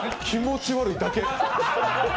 気持ち悪いだけ。